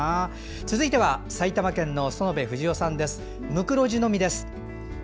続いて、埼玉県の園部藤男さん。